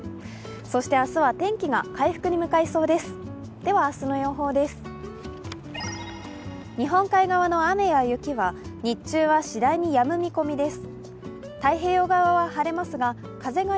そして明日は天気が回復に向かいそうです。